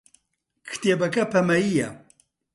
کتێبەکە پەمەیییە.